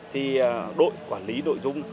thì đội quản lý nội dung